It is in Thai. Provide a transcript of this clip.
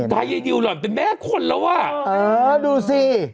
ได้ไอ้ดิวหรอเป็นแม่คนแล้วอ่ะเออดูสิ